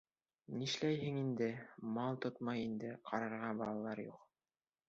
Нишләйһең инде, мал тотмай инек, ҡарарға балалар юҡ.